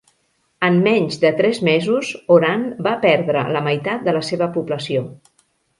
En menys de tres mesos, Oran va perdre la meitat de la seva població.